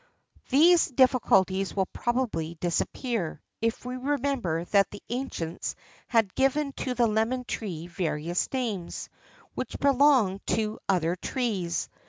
[XIII 28] These difficulties will probably disappear, if we remember that the ancients have given to the lemon tree various names[XIII 29] which belong to other trees.